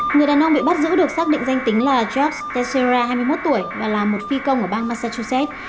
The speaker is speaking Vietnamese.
người đàn ông bị bắt giữ được xác định danh tính là george teixeira hai mươi một tuổi và là một phi công ở bang massachusetts